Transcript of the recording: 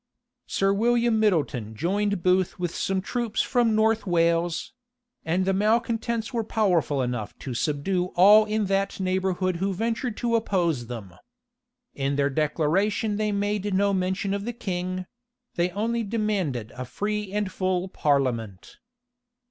Sir William Middleton joined Booth with some troops from North Wales; and the malecontents were powerful enough to subdue all in that neighborhood who ventured to oppose them. In their declaration they made no mention of the king; they only demanded a free and full parliament.